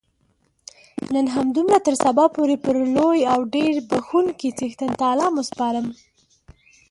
نن همدومره تر سبا پورې پر لوی او ډېر بخښونکي څښتن تعالا مو سپارم.